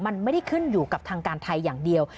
มันไม่ได้ขึ้นอยู่กับทางการไทยอย่างเดียว